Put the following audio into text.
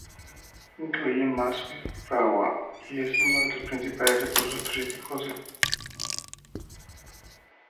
Incluye mazo y fragua y es uno de los principales recursos turísticos del concejo.